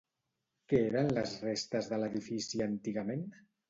Què eren les restes de l'edifici antigament?